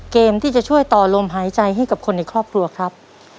เกมที่จะช่วยต่อลมหายใจให้กับคนในครอบครัวครับ